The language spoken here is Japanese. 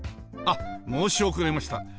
あっ申し遅れました。